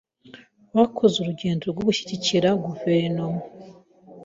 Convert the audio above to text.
Bakoze urugendo rwo gushyigikira guverinoma.